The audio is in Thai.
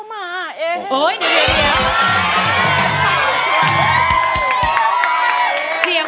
เฮ้ยนี่เดียว